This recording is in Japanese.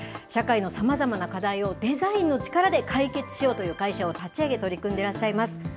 社会のさまざまな課題を、デザインの力で解決しようという会社を立ち上げ、取り組んでらっしゃいます。